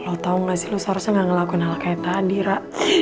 lo tau gak sih lo seharusnya gak ngelakuin hal kayak tadi ra